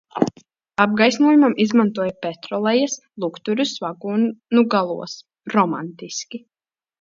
Apgaismojumam izmantoja petrolejas lukturus vagonu galos, romantiski!